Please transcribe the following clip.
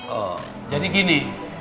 oh jadi gini